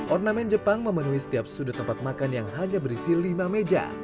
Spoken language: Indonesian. ornamen jepang memenuhi setiap sudut tempat makan yang hanya berisi lima meja